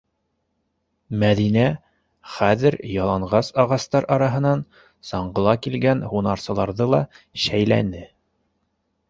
Мәҙинә хәҙер яланғас ағастар араһынан саңғыла килгән һунарсыларҙы ла шәйләне.